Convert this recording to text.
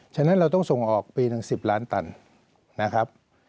ฉะนั้นเราต้องส่งออกปีหนึ่ง๑๐ล้านตันนะครับ